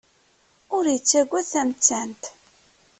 Ur yettagad tamettant.